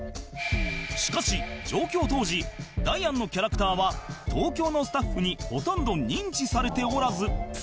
しかし上京当時ダイアンのキャラクターは東京のスタッフにほとんど認知されておらず